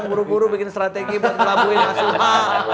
buru buru bikin strategi buat melabuhin mas suha